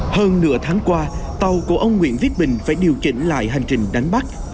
hơn nửa tháng qua tàu của ông nguyễn viết bình phải điều chỉnh lại hành trình đánh bắt